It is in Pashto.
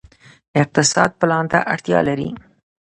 اقتصاد پلان ته اړتیا لري